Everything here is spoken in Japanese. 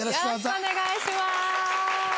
よろしくお願いします！